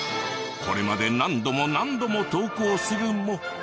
これまで何度も何度も投稿するも。